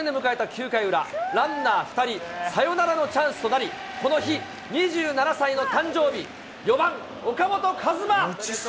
９回裏、ランナー２人、サヨナラのチャンスとなり、この日、２７歳の誕生日、４番岡本和真。